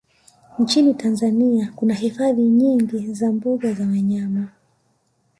Nchini Tanzania kuna hifadhi nyingi za mbuga za wanyama